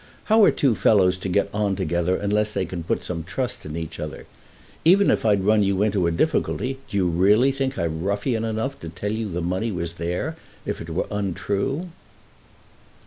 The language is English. How are two fellows to get on together unless they can put some trust in each other? Even if I did run you into a difficulty, do you really think I'm ruffian enough to tell you that the money was there if it were untrue?"